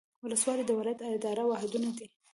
ولسوالۍ د ولایت اداري واحدونه دي